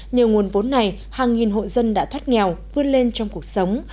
nhiều nguồn vốn này hàng nghìn hội dân đã thoát nghèo vươn lên trong cuộc sống